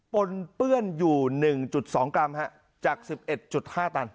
ปนเปื้อนอยู่๑๒กรัมจาก๑๑๕ตัน